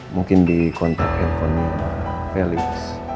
mungkin di kontak handphone mbak felix